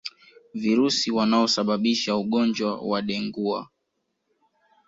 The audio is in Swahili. Virusi wanaosababisha ugonjwa wa dengua